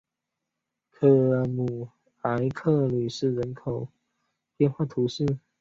科尔姆埃克吕斯人口变化图示